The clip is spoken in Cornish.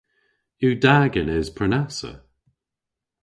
Yw da genes prenassa?